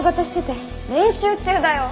練習中だよ。